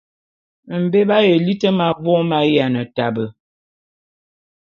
Mbé b'aye liti ma vôm m'ayiane tabe.